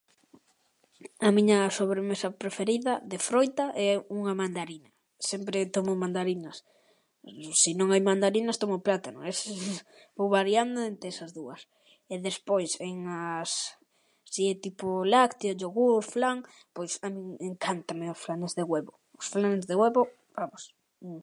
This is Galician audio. A miña sobremesa preferida de froita é unha mandarina, sempre tomo mandarinas. Se non hai mandarinas tomo plátano, vou variando entre esas dúas e despois en as, así tipo lácteo, yogur, flan, pois a min encántanme os flanes de huevo, os flanes de huevo, vamos.